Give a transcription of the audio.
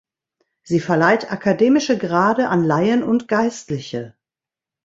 Sie verleiht akademische Grade an Laien und Geistliche.